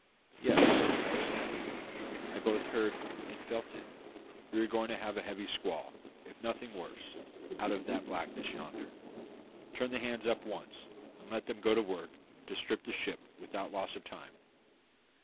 "Yes," said I, "I both heard and felt it. We are going to have a heavy squall, if nothing worse, out of that blackness yonder. Turn the hands up at once, and let them go to work to strip the ship without loss of time.